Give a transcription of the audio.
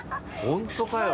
本当かよ。